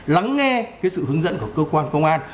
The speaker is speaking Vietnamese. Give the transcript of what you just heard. lắng nghe sự hướng dẫn của cơ quan công an